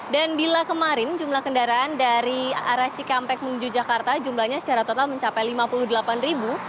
dan bila kemarin jumlah kendaraan dari arah cikampek menuju jakarta jumlahnya secara total mencapai lima puluh delapan ribu